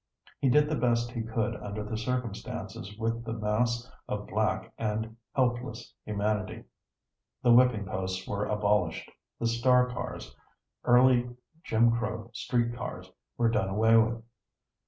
He did the best he could under the circumstances with this mass of black and helpless humanity. The whipping posts were abolished; the star cars early Jim Crow street cars were done away with.